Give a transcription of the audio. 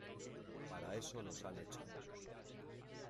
Para eso nos han hecho.